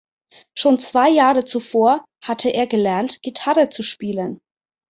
Schon zwei Jahre zuvor hatte er gelernt Gitarre zu spielen.